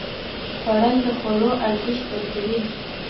خوړل د خوړو ارزښت درک کوي